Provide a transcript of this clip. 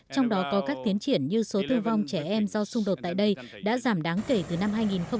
trong đó có các tiến triển như số thư vong trẻ em do xung đột tại đây đã giảm đáng kể từ năm hai nghìn một mươi